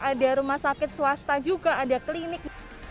ada rumah sakit swasta juga ada klinik